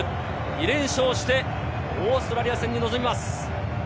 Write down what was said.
２連勝してオーストラリア戦に臨みます。